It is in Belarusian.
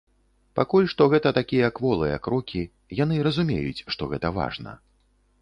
Пакуль што гэта такія кволыя крокі, яны разумеюць, што гэта важна.